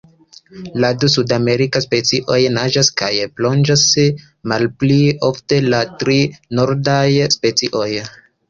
La du sudamerikaj specioj naĝas kaj plonĝas malpli ofte ol la tri nordaj specioj.